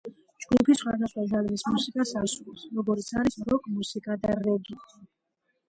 ჯგუფი სხვადასხვა ჟანრის მუსიკას ასრულებს, როგორიც არის როკ-მუსიკა და რეგი.